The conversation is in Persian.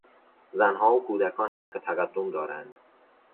زنها و کودکان حق تقدم دارند.